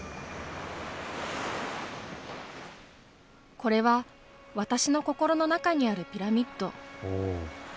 これは私の心の中にあるピラミッド。